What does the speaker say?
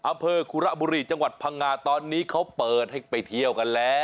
อำเภอคุระบุรีจังหวัดพังงาตอนนี้เขาเปิดให้ไปเที่ยวกันแล้ว